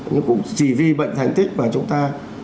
nhưng cũng chỉ vì bệnh thành tích mà chúng ta